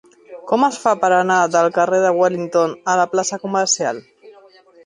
Com es fa per anar del carrer de Wellington a la plaça Comercial?